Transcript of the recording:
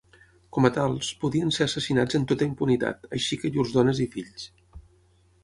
Com a tals, podien ser assassinats en tota impunitat, així que llurs dones i fills.